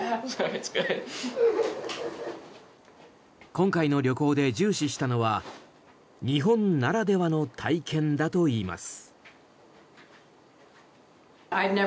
今回の旅行で重視したのは日本ならではの体験だといいます。